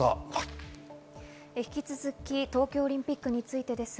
引き続き、東京オリンピックについてです。